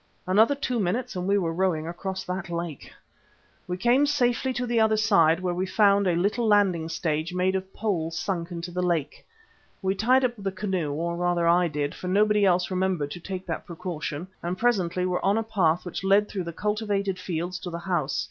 Another two minutes and we were rowing across that lake. We came safely to the other side, where we found a little landing stage made of poles sunk into the lake. We tied up the canoe, or rather I did, for nobody else remembered to take that precaution, and presently were on a path which led through the cultivated fields to the house.